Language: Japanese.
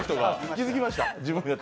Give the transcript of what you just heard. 気づきました？